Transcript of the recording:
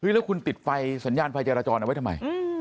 แล้วคุณติดไฟสัญญาณไฟจราจรเอาไว้ทำไม